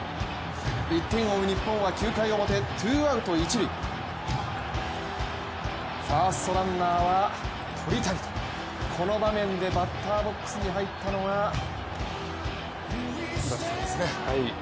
１点を追う日本は９回表ツーアウト一塁、ファーストランナーはとりたいと、この場面でバッターボックスに入ったのが、井端さんですね。